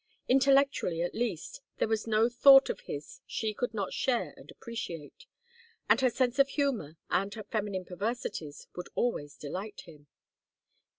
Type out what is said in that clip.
Intellectually, at least, there was no thought of his she could not share and appreciate; and her sense of humor and her feminine perversities would always delight him.